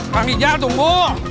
kang rijal tunggu